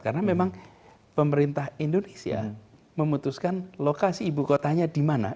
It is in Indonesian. karena memang pemerintah indonesia memutuskan lokasi ibu kotanya di mana